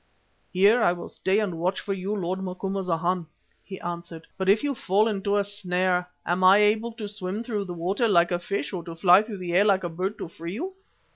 "Here I will stay and watch for you, lord Macumazana," he answered, "but if you fall into a snare, am I able to swim through the water like a fish, or to fly through the air like a bird to free you?"